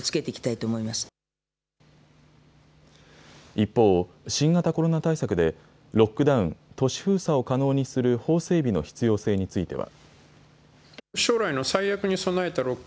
一方、新型コロナ対策で、ロックダウン・都市封鎖を可能にする法整備の必要性については。